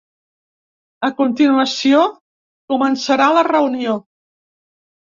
A continuació, començarà la reunió.